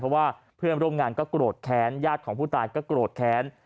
เพราะว่าเพื่อนร่วมงานก็โกรธแค้นญาติของผู้ตายก็โกรธแค้น